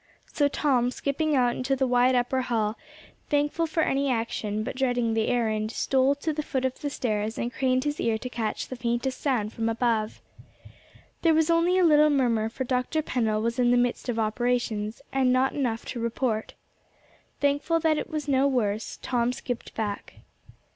So Tom skipping out into the wide upper hall, thankful for any action, but dreading the errand, stole to the foot of the stairs, and craned his ear to catch the faintest sound from above. There was only a little murmur, for Dr. Pennell was in the midst of operations, and not enough to report. Thankful that it was no worse, Tom skipped back.